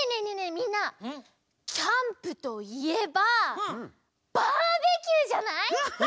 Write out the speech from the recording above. みんなキャンプといえばバーベキューじゃない？